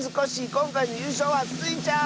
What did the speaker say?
こんかいのゆうしょうはスイちゃん！